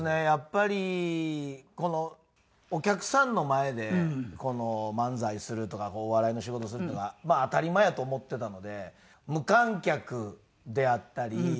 やっぱりお客さんの前で漫才するとかお笑いの仕事するのがまあ当たり前やと思ってたので無観客であったり。